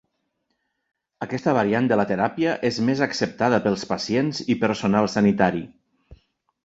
Aquesta variant de la teràpia és més acceptada pels pacients i personal sanitari.